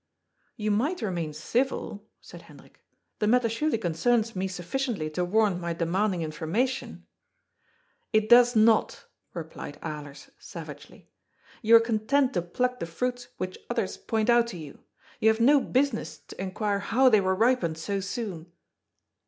" You might remain civil," said Hendrik. " The matter surely concerns me sufficiently to warrant my demanding information." " It does not," replied Alers savagely. " You are con tent to pluck the fruits which others point out to you. You have no business to inquire how they were ripened so soon."